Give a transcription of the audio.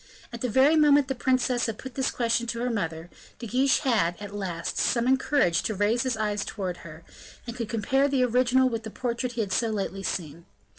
At the very moment the princess had put this question to her mother, De Guiche had, at last, summoned courage to raise his eyes towards her and could compare the original with the portrait he had so lately seen.